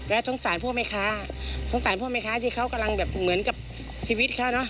และทั้งสารพวกไม้ค้าทั้งสารพวกไม้ค้าที่เขากำลังแบบเหมือนกับชีวิตค่ะเนอะ